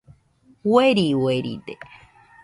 Ueri ueride